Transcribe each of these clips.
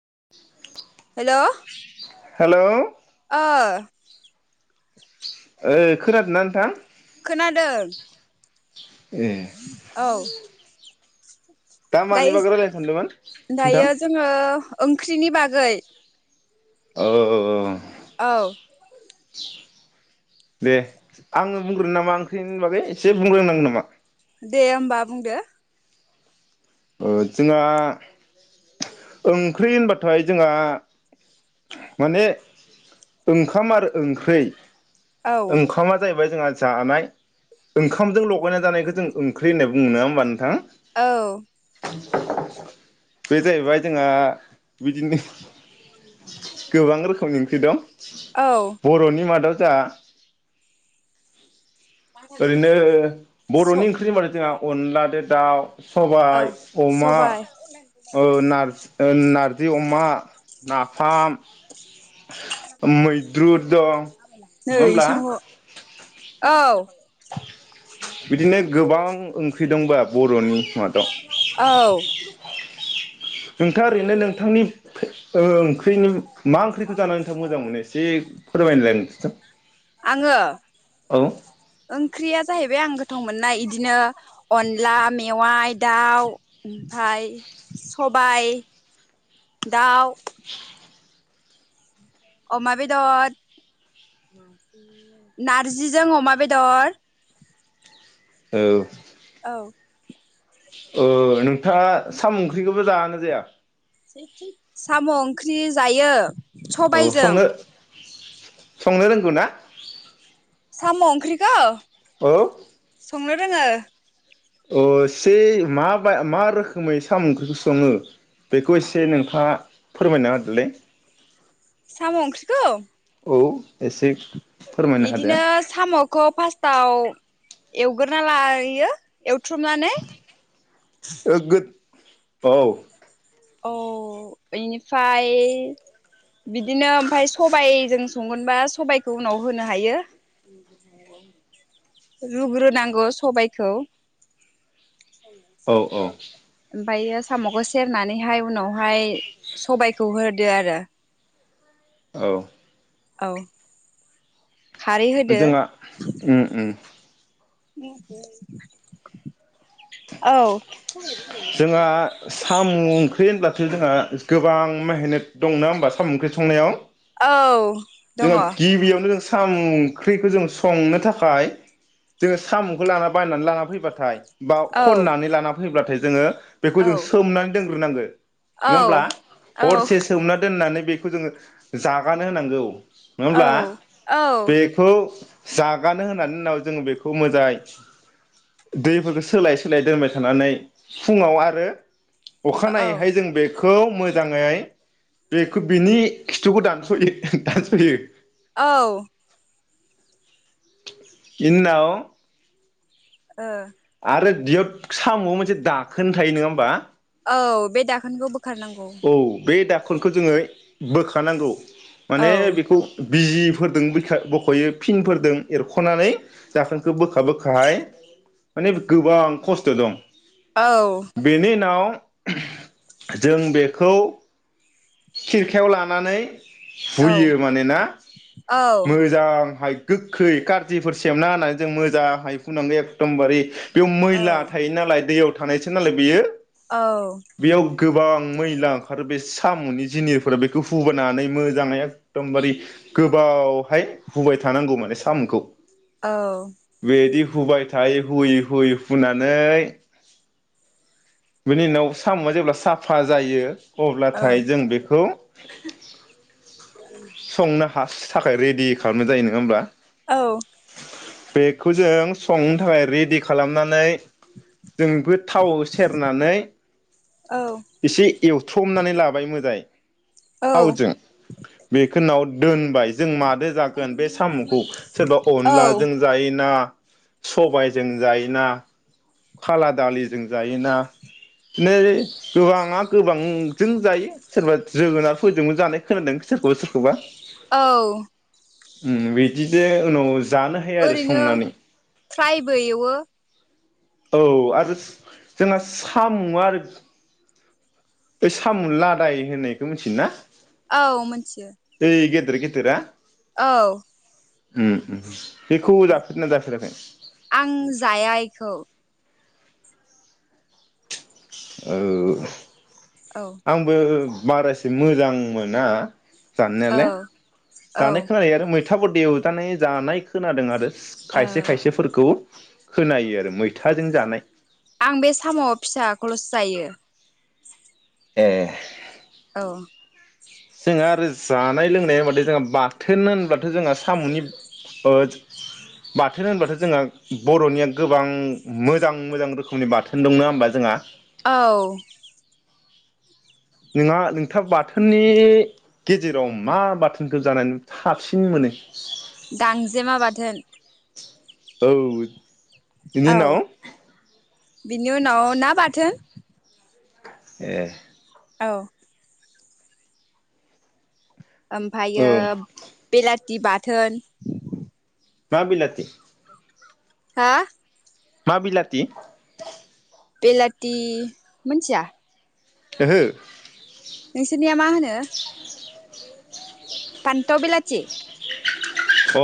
[unintelligible] Hello. Hello. ओ । ओ खोनादोंना नोंथां? खोनादों। [inaudible] औ दा मानि बागै दायो रायलायनो सानदोंमोन दायो नोंथां? जोङो ओंख्रिनि बागै ओ ओ ओ औ दे आङो बुंग्रोनो नामा ओंख्रिनि बागै एसे बुंग्रनांगोन नामा? दे होमबा बुंदो। ओ जोंहा ओंख्रि होनबाथाय जोंहा माने ओंखाम आरो ओंख्रै औ ओंखामा जाहैबाय जोंहा जानाय ओंखामजों लगायना जानायखो जों ओंख्रि होननाय बुंङो नङा होमबा नोंथां? औ बे जाहैबाय जोंहा बिदिनो गोबां रोखोमनि ओंख्रि दं। औ बर'नि मादाव दा ओरैनो स बर'नि ओंख्रिनि होनबाथाय जोंहा अनलादो दाउ ओ सबाय अमा सबाय ओ नारज ओ नारजि अमा। नाफाम मैद्रु दं नंङा नै होमब्ला इसांल' औ बिदिनो गोबां ओंख्रि दंबा बर'नि मादाव औ नोंथाङा ओरैनो नोंथांनि फै ओ ओंख्रिनि मा ओंख्रिखौ जानानै नोंथां मोजां मोनो एसे फोरमायनोलाय नोंथां आङो औ ओंख्रिया जाहैबाय आं गोथाव मोननाय इदिनो अनला मेवाइ दाउ ओमफाय सबाय दाउ। अमा बेदर नारजिजों अमा बेदर औ औ ओ नोंथाङा साम' ओंख्रिखौबो जागोना जाया? साम' ओंख्रि जायो। औ सबायजों संनो संनो रोंगौ ना? साम' ओंख्रिखौ औ संनो रोङो अह एसे माबाय मा रोखोमै सामु ओंख्रिखौ सङो बेखौ एसे नोंथाङा फोरमायनो होदोलाय? साम' ओंख्रिखौ? औ एसे। फोरमायनो होदो इदिनो साम'खौ फास्टाव एवग्रोना लायो एव थ्रमनानै ओ गोद औ । औ इनिफाय बिदिनो ओमफाय सबायजों संगोनबा सबाइखौ उनाव होनो हायो रुग्रोनांगौ सबायखौ । औ औ ओमफायो साम'खौ सेरनानै बेहाय उनावहाय सबायखौ होदो आरो औ । औ । जोंआ उम उम । उम हम औ । जोंहा सामु ओंख्रि होनब्लाथाय जोंहा गोबां मेहनत दंना होमबा साम' ओंख्रि संनायाव? औ दङ'। सामु ओंख्रिखौ जों संनो थाखाय जोङो सामु खौ लाना बायनानै लाना फैबाथाय बाव औ खननानै लाना होब्लाथाय जोङो बेखौ औ जों सोमनान दोंग्रोनांगो औ नङा होमब्ला औ हरसे सोमना दोन्नानै बेखौ जोङो जागानो होनांगौ नङा औ होमब्ला औ बेखौ जागानो होनानि उनाव जोङो बेखौ मोजाय दैफोरखौ सोलाय सोलाय दोनबाय थानानै फुंङाव आरो औ अखानायैहाय जों बे बेखौ मोजाङै बेखो बिनि खिथुखौ दानस'यो दानस'यो । औ । इनि उनाव ओ । आरो बियो साम'आव मोनसे दाखोन थायो नङा होमबा? औ बे दाख औ बे दाखोलखौ जोङो बोख थानांगौ । औ माने बेखौ बिजिफोरजों बख'यो, फिनफोरजों एरख'नानै दाखोनखौ बोखा-बोखाहाय माने गोबां खस्थ' दं। औ बेनि उनाव जों बेखौ खेरखायाव लानानै औ हुयो मानोना औ मोजांहाइ गोखै कारजिफोर सेबना होनानै जों मोजाङै फुनांगौ एखदमबारे बेयाव औ मैला थायो नालाय दैयाव थानायसो नालाय बेयो। बेयाव गोबां मैला ओंखारो बे साम'नि जिनिरफोरा बेखौ हुबोनानै मोजाङै एखदमबारे गोबावहाय हुबाय थानांगौ माने साम'खौ। औ। बेदि हुबाय थायो हुयै-हुयै हुनानै बिनि उनाव साम'आ जेब्ला साफा जायो अब्लाथाय जों बेखौ संना फार्स्टनि थाखाय रेडि खालामनाय जायो नङा होमब्ला औ। बेखौ जों संनो थाखाय रेडि खालामनानै जों बेखौ थाव सेरनानै औ। एसे एवथ्रमनानै लाबाय मोजङै औ थावजों बेखौ। दोनबाय जों माजों जागोन बे साम'खौ सोरबा औ अनलाजों जायोना सबायजों जायोना खाला दालिजों जायोना नै गोबाङा गोबांजों जायो सोरबा जोगोनारफोरजोंबो जानाय खोनादों सोरखौबा सोरखौबा। औ। बिदिजे उनाव जानो हायो आरो ओरैनो संनानै फ्रायबो एवो औ आरो जोंना साम' आरो साम' लादाय होननायखौ मिथियो ना? औ मोनथियो। दोरा औ। उम बेखौ औ जाफेरना जाफेराखै? आं जाया इखौ ओ औ आंबो बारासे मोजां मोना औ जानायालाय औ जानाय खोनानाय आरो मैथ थाफोरदो एवजानाय जानाय खोनादों आरो औ खायसे खायसेफोरखौ खोनायो आरो मैथाजों जानाय आं बे साम' फिसाखौल'सो जायो ए औ जोंहा आरो जानाय लोंनाय होनबथाय जोंहा बाथोन होनब्लाथ' जोंहा साम'नि ओ बाथोन होनबाथ' जोंहा बर'निया गोबां मोजां मोजां रोखोमनि बाथोन दं नङा होमबा जोंहा औ नोंहा नोंथां बाथोननि गेजेराव मा बाथोनखो जानानै साबसिन मोनो गांजेमा बाथोन औ बिनि औ उनाव बिनि उनाव ना बाथोन ए औ औ ओमफायो बेला हि बाथोन मा बिलाथि हा मा बिलाथि बिलाथि मोनथिया ओहो नोंसोरनिया मा होनो फान्थाव बिलाथि अ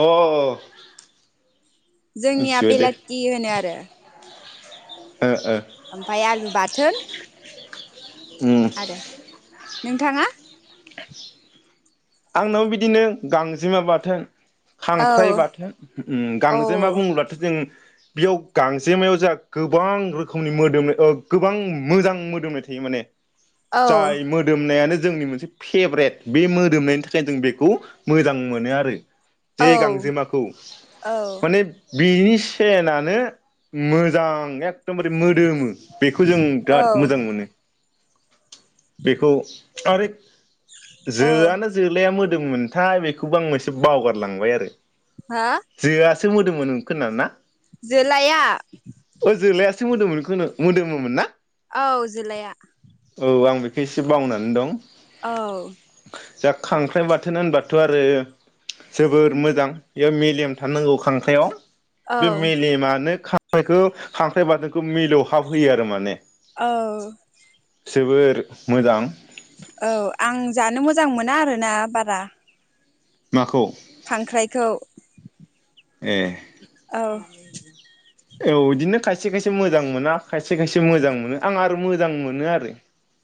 जोंनिया मिथिबाय दे बिलाथि होनो आरो ओ ओ ओमफाय आलु बाथोन उ आरो नोंथाङा आंनाव बिदिनो गांजेमा बाथोन औ खांख्राइ बाथोन औ गांजेमा बुङोब्लाथ' जों बेयाव गांजेमायाव जोंहा गोबां रोखोमनि मोदोमो ओ गोबां मोजां मोदोमनाय थायो माने औ जाय मोदोमनायानो जोंनि मोनसे फेब्रेट बे मोदोमनायनि थाखायनो जों बेखौ मोजां मोनो आरो जे औ गांजेमाखौ औ माने बिनि सेनानो मोजां एक दमबारे मोदोमो बेखौ जों औ बिराद मोजां मोनो। बेखौ आरो औ जोआना जोलाया मो दोंमोमोनथाय बेखौबो आं एसे बावगारलांबाय आरो। हा? सोमोदोमोमोन खोमा ना? जोलाया। सो मोदोमोन खोनो मोदोमोमोन ना? औ जोलाया। खैसो बावनानै दं। औ दा खांख्राइ बाथोन होनबाथ' आरो जोबोर मोजां बेयाव मेलेम थानांगौ खांख्राइआव। औ बे मेलेमानो खा ख्रायखो खांख्राइ बाथोनखौ मिलौहाब होयो आरो माने। औ जोबोर मोजां। औ आं जानो मोजां मोना आरोना बारा। नाखौ? खांख्राइखौ। ए औ औ बिदिनो खायसे खायसे मोजां मोना खायसे खायसे मोजां मोनो आं आरो मोजां मोनो आरो।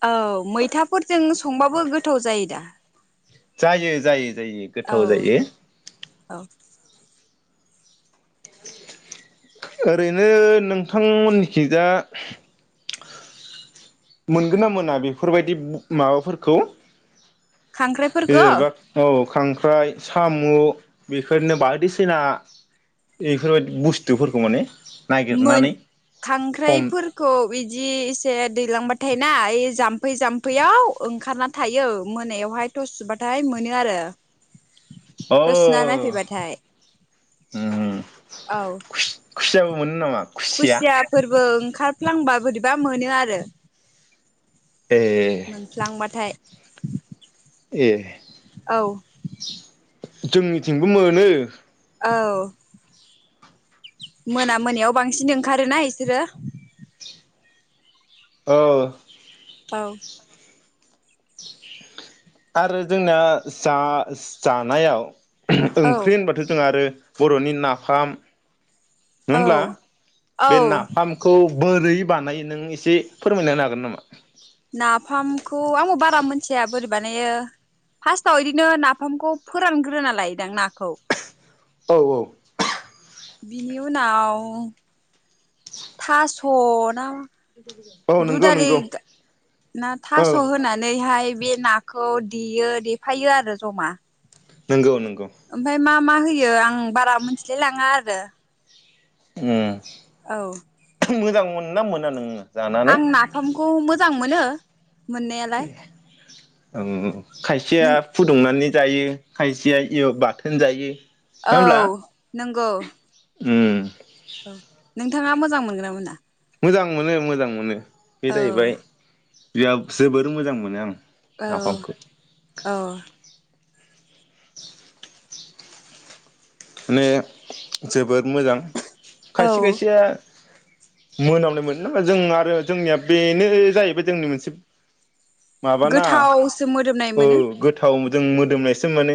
औ मैथाफोरजों संबाबो गोथाव जायो दा। जायो जायो। जायो गोथाव औ जायो। औ ओरैनो नोंथांमोननिखि जा मोनगोन ना मोना बेफोरबायदि माबाफोरखौ खांख्राइफोरखौ जेनबा ओ खांख्राइ, साम' बेफोरनो बायदिसिना बेफोरबायदि बुस्थुफोरखौ माने? मोन नागिरनानै हम खांख्राइफोरखौ इदि एसे दैलांबा थाय ना ओइ जाम्फै जाम्फैयाव ओंखारना थायो। मोनायावहाय थस सुबाथाय मोनो आरो। अ थस सुना नायफैबाथाय। उम औ खुसियाबो मोनो नामा? खुसिया फोरबो ओंखारफ्लांबा बोरैबा मोनो आरो। ए मोनफ्लांबाथाय। ए औ जोंनिथिंबो मोनो। औ। मोना मोनायाव बांसिन ओंखारो ना इसोरो। औ। औ। आरो जोंना जा-जानायाव औ ओंख्रि होनबाथ' जोंहा आरो बर'नि नाफाम नङा होमब्ला औ बे औ नाफामखौ बोरै बानायो नों एसे फोरमायना होनो हागोन नामा? नाफामखौ आंबो बारा मोनथिया। बोरै बानायो फार्स्टाव बिदिनो नाफामखौ फोरानग्रोना लायोदां नाखौ। औ औ। बिनि उनाव थास' ना औ नंगौ दुदालि नंगौ ना औ थास' होनानैहाय बे नाखौ देयो देफायो आरो जमा। नंगौ नंगौ। ओमफ्राय मा मा होयो आं बारा मिथिलाय लाङा आरो। उम। औ। मोजां मोनो ना मोना नोङो? जानानै? आं नाफामखौ मोजां जां मोनो। मोननायालाय। ओम। खायसेया नों फुदुंनानै जायो खायसेया एव बाथोन जायो। नङा होमब्ला औ नों गौ। उम। नों नोंथाङा मोजां मोनगोन ना मोना? मोजां मोनो मोजां मोनो। बे औ जाहैबाय बि जोबोर मोजां मोनो आं। नाफामखौ औ औ। माने जोबोद मोजां खायसे औ खायसेया मोनामनाय मोनो नामा जों आरो जोंनिया बेनो जाहैबाय जोंनि मोनसे माबाना गोथावसो मोदोमनाय औ मोनो गोथाव मो जों मोदोमनायसो मोनो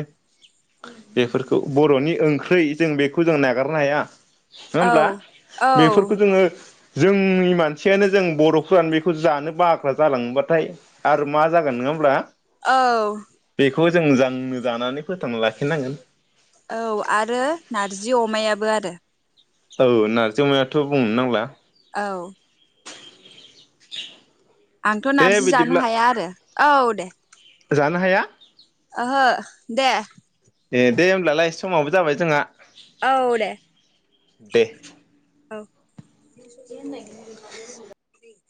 बेफोरखौ बरनि ओं ख्रै बेखौ जों नागारनो हाया। नङा औ होमब्ला औ बेफोरखौ जोङो जोंनि मानसियानो जों बरफ्रानो बेखौ जानो बाग्रा जालाङोबाथाय आरो मा जागोन नङा होमब्ला? औ। खौ जों जा जानानै फोथांना लाखिनांगोन। औ आरो नारजि अमायाबो आरो । औ नारजि अमायाथ' बुंनो नांला। औ। आंथ' दे नारजि जानो बिदिब्ला हाया आरो। औ दे। जानो हाया? ओहो दे। ए दे होमब्लालाय समाबो जाबाय जोंहा । औ दे। दे औ। [unintelligible]